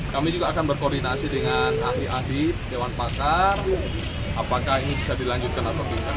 kami juga akan berkoordinasi dengan ahli ahli dewan pakar apakah ini bisa dilanjutkan atau tidak